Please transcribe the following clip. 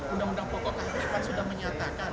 undang undang pokok kpk sudah menyatakan